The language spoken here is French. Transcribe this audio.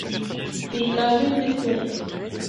Il l’avait déterrée.